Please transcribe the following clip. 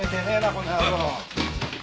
この野郎。